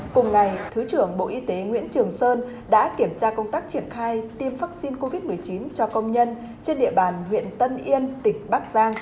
cùng ngày thứ trưởng bộ y tế nguyễn trường sơn đã kiểm tra công tác triển khai tiêm vaccine covid một mươi chín cho công nhân trên địa bàn huyện tân yên tỉnh bắc giang